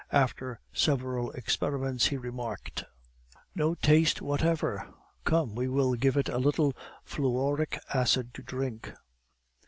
After several experiments, he remarked: "No taste whatever! Come, we will give it a little fluoric acid to drink."